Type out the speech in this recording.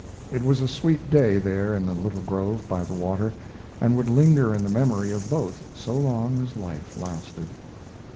It was a sweet day there in the little grove by the water, and would linger in the memory of both so long as life lasted.